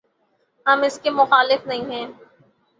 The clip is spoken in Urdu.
ہم اس کے مخالف نہیں ہیں۔